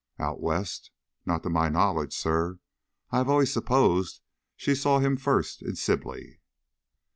"Out West? Not to my knowledge, sir. I always supposed she saw him first in Sibley."